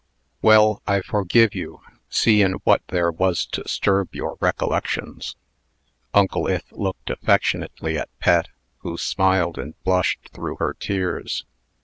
Well, I forgive you, seein' what there was to 'sturb your recollections." Uncle Ith looked affectionately at Pet, who smiled and blushed through her tears.